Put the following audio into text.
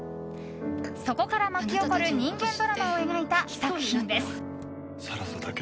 そこから巻き起こる人間ドラマを描いた作品です。